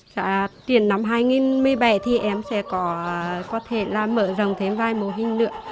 dạ tiền năm hai nghìn một mươi bảy thì em sẽ có có thể là mở rộng thêm vài mô hình nữa